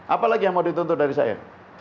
apa lagi yang mau dituntut dari saya